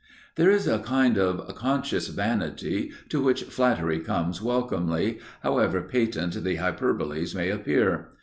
There is a kind of conscious vanity to which flattery comes welcomely, however patent the hyperboles may appear.